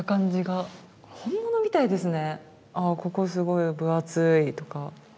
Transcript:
ここすごい分厚いとか。